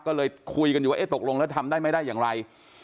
ก็เลยคุยกันอยู่ว่าตกลงแล้วทำได้ไม่ได้อย่างไร